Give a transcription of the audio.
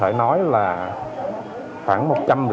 với cường độ là bệnh càng ngày càng nặng